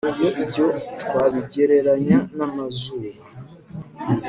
iyo ibyo twabigereranya n'amazuba